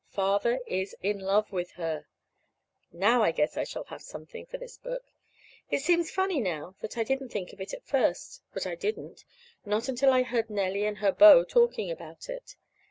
Father is in love with her. Now I guess I shall have something for this book! It seems funny now that I didn't think of it at first. But I didn't not until I heard Nellie and her beau talking about it.